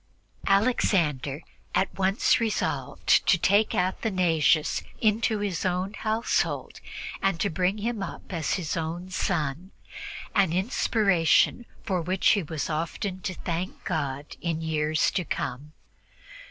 Alexander at once resolved to take Athanasius into his household and to bring him up as his own son, an inspiration for which he was often to thank God in the years to come.